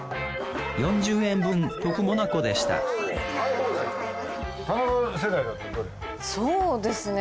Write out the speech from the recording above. ４０円分得もなこでしたそうですね